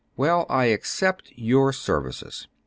" Well, I accept your services."